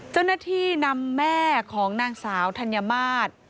เจ้าหน้าที่นำแม่ของนางสาวธัญมาตร